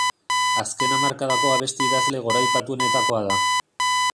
Azken hamarkadako abesti idazle goraipatuenetakoa da.